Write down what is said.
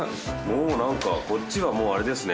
もうなんかこっちがもうあれですね。